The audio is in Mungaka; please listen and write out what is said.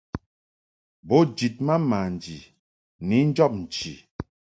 Bo njid ma manji ni njɔb nchi.